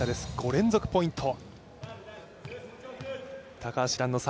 ５連続ポイント。